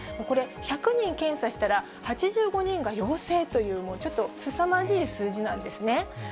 これ、１００人検査したら８５人が陽性という、もう、ちょっとすさまじい数字なんですね。